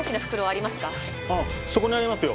ああそこにありますよ。